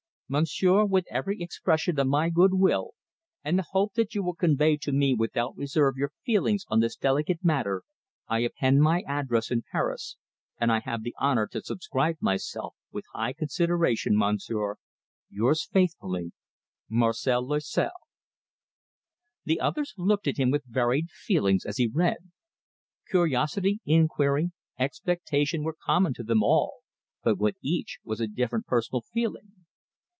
Monsieur, with every expression of my good will, and the hope that you will convey to me without reserve your feelings on this delicate matter, I append my address in Paris, and I have the honour to subscribe myself, with high consideration, Monsieur, yours faithfully, MARCEL LOISEL. The others looked at him with varied feelings as he read. Curiosity, inquiry, expectation, were common to them all, but with each was a different personal feeling.